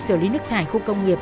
xử lý nước thải khu công nghiệp